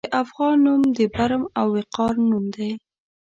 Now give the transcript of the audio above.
د افغان نوم د برم او وقار نوم دی.